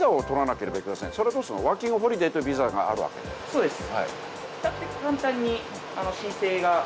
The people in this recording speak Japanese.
そうです